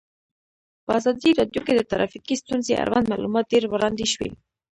په ازادي راډیو کې د ټرافیکي ستونزې اړوند معلومات ډېر وړاندې شوي.